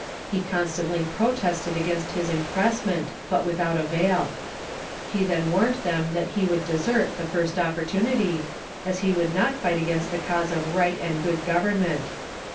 He constantly protested against his impressment, but without avail. He then warned them that he would desert the first opportunity, as he would not fight against the cause of right and good government.